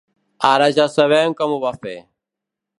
Ara ja sabem com ho va fer.